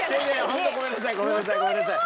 ホントごめんなさいごめんなさいごめんなさい。